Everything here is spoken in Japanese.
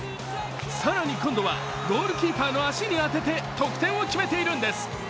更に今度は、ゴールキーパーの足に当てて得点を決めているんです。